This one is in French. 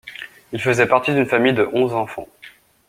Il faisait partie d'une famille de onze enfants.